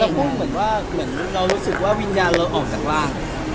แล้วคุณเหมือนว่าเรารู้สึกว่าวิญญาณเราออกจากร่าง